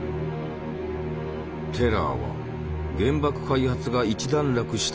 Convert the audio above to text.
テラーは原爆開発が一段落した